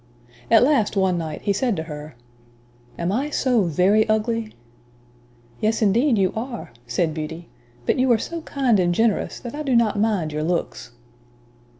At last, one night, he said to her, "Am I so very ugly?" "Yes, indeed, you are," said Beauty, "but you are so kind and generous, that I do not mind your looks."